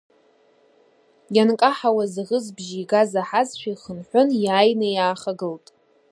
Ианкаҳауаз аӷызбжьы игаз аҳазшәа ихынҳәын, иааины иаахагылт.